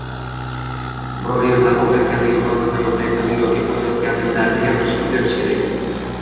biror yerlari og‘riyotganligi, biron nima yoqmayotganligi yoki qo‘rqayotganliklarini gapirishga o‘rgatish kerak.